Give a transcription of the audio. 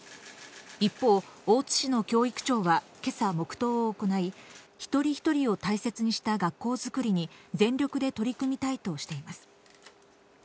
一方、大津市の教育長はけさ黙とうを行い、一人一人を大切にした学校作りに全力で取り組みたいとしています。